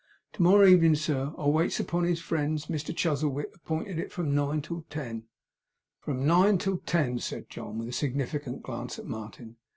'To morrow evenin', sir, I waits upon his friends. Mr Chuzzlewit apinted it from nine to ten.' 'From nine to ten,' said John, with a significant glance at Martin.